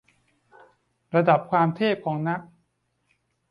ระดับความเทพ ของนัก